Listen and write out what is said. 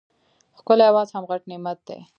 ښکلی اواز هم غټ نعمت دی.